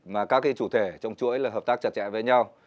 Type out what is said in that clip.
mà các cái chủ thể trong chuỗi là hợp tác chặt chẽ với nhau